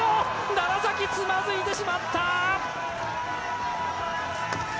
楢崎、つまずいてしまった！